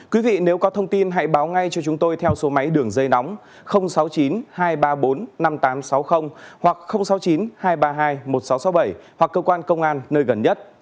quý vị nếu có thông tin hãy báo ngay cho chúng tôi theo số máy đường dây nóng sáu mươi chín hai trăm ba mươi bốn năm nghìn tám trăm sáu mươi hoặc sáu mươi chín hai trăm ba mươi hai một nghìn sáu trăm sáu mươi bảy hoặc cơ quan công an nơi gần nhất